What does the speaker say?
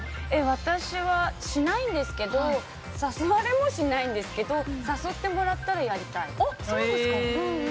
私はしませんが誘われもしないんですが誘ってもらったらやりたい。